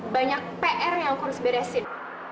banyak pr yang aku harus beresin